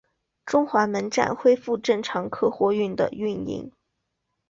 中华门站恢复正常客货运的运营。